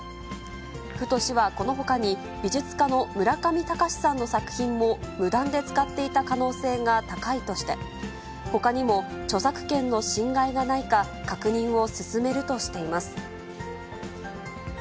府と市はこのほかに、美術家の村上隆さんの作品も無断で使っていた可能性が高いとして、ほかにも著作権の侵害がないか、確認を進めるとしています。